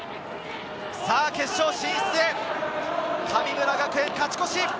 さぁ決勝進出へ、神村学園、勝ち越し。